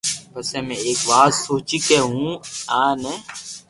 پسي ۾ ايڪ وات سوچي ڪي ھون ايم نھ